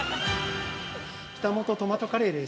◆北本トマトカレーです。